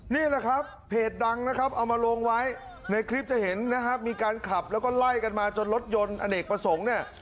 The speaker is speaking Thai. นี่แหละครับเพจดังนะครับเอามาลงไว้ในคลิปจะเห็นนะครับมีการขับแล้วก็ไล่กันมาจนรถยนต์อเนกประสงค์เนี่ย